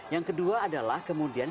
yang kedua adalah kemudian